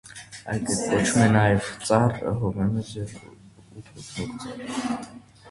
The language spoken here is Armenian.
Այլ կերպ կոչում է նաև ծառ հովանոց և ութոտնուկ ծառ։